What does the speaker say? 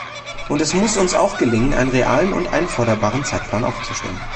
Und es muss uns auch gelingen, einen realen und einforderbaren Zeitplan aufzustellen.